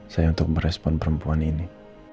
saya untuk merespon perempuan ini